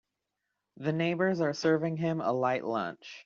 The neighbors are serving him a light lunch.